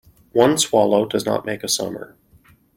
One swallow does not make a summer.